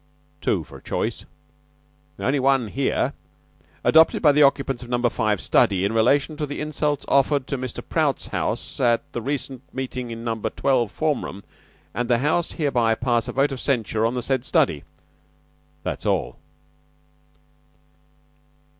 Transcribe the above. "Two for choice." "Only one here '_adopted by the occupants of Number Five study in relation to the insults offered to Mr. Prout's house at the recent meeting in Number Twelve form room, and the House hereby pass a vote of censure on the said study._' That's all."